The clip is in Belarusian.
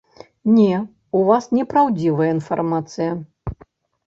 Не, у вас непраўдзівая інфармацыя.